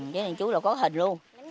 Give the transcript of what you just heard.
giấy đình chú là có hình luôn